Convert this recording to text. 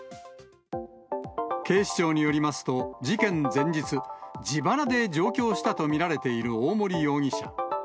警視庁によりますと、事件前日、自腹で上京したと見られている大森容疑者。